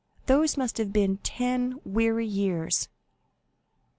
Those must have been ten weary years."